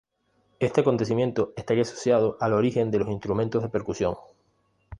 Este acontecimiento estaría asociado al origen de los instrumentos de percusión.